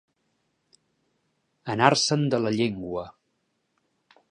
Anar-se'n de la llengua.